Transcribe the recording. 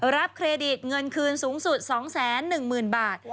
เครดิตเงินคืนสูงสุด๒๑๐๐๐บาท